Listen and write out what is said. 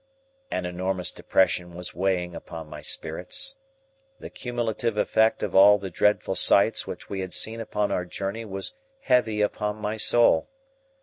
An enormous depression was weighing upon my spirits. The cumulative effect of all the dreadful sights which we had seen upon our journey was heavy upon my soul.